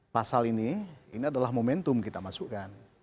pasal ini ini adalah momentum kita masukkan